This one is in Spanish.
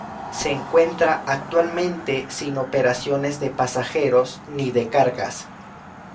Se encuentra actualmente sin operaciones de pasajeros ni de cargas.